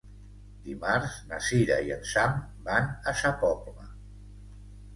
Dimarts na Cira i en Sam van a Sa Pobla.